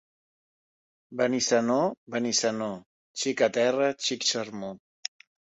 Benissanó, Benissanó, xica terra, xic sermó.